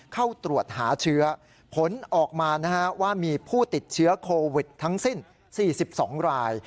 เข้าตรวจหาเชื้อผลออกมาว่ามีผู้ติดเชื้อโควิดทั้งสิ้น๔๒ราย